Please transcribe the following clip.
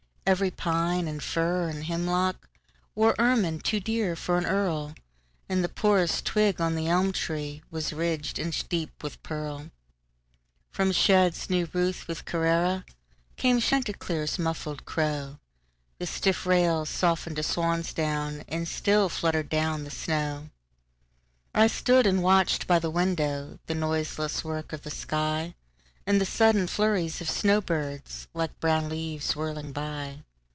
Every pine and fir and hemlockWore ermine too dear for an earl, And the poorest twig on the elm treeWas ridged inch deep with pearl. From sheds new roofed with CarraraCame Chanticleer's muffled crow, The stiff rails softened to swan's down, And still fluttered down the snow.I stood and watched by the windowThe noiseless work of the sky, And the sudden flurries of snow birds, Like brown leaves whirling by.